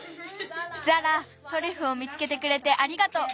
ザラトリュフを見つけてくれてありがとう。